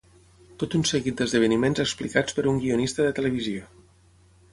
Tot un seguit d'esdeveniments explicats per un guionista de televisió.